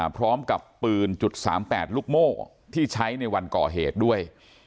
พร้อมกับปืน๓๘ลูกโม่ที่ใช้ในวันก่อเหตุด้วย